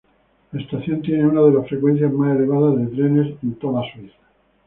La estación tiene una de las frecuencias más elevada de trenes en toda Suiza.